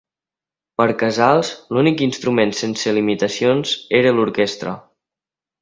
Per Casals, l'únic instrument sense limitacions era l'orquestra.